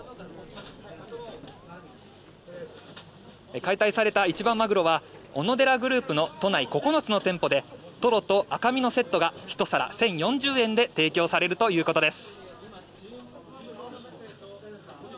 解体された一番マグロはオノデラグループの都内９つの店舗でトロと赤身のセットが１皿１０４０円で提供されるということです。